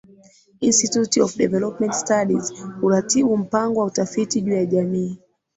Institute of Development Studies huratibu mpango wa utafiti juu ya jamii